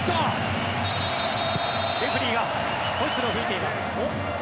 レフェリーがホイッスルを吹いています。